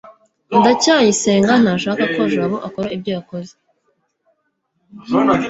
ndacyayisenga ntashaka ko jabo akora ibyo yakoze